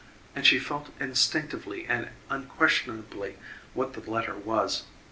And she felt instinctively and unquestionably what the letter was.